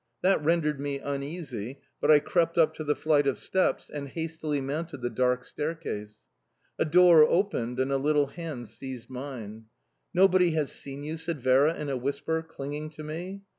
That rendered me uneasy, but I crept up to the flight of steps, and hastily mounted the dark staircase. A door opened, and a little hand seized mine... "Nobody has seen you?" said Vera in a whisper, clinging to me.